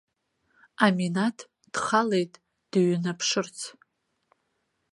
Аминаҭ дхалеит дыҩнаԥшырц.